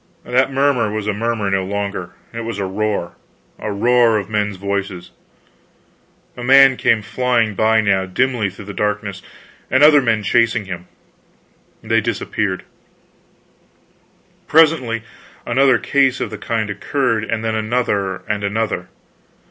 That murmur was a murmur no longer, it was a roar; a roar of men's voices. A man came flying by now, dimly through the darkness, and other men chasing him. They disappeared. Presently another case of the kind occurred, and then another and another.